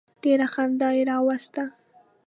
ډېره خندا یې راوسته.